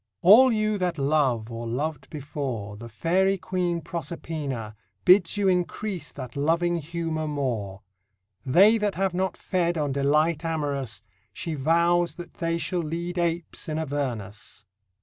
All you that love, or lov'd before, The Fairy Queen Proserpina Bids you increase that loving humour more: They that have not fed On delight amorous, She vows that they shall lead Apes in Avernus.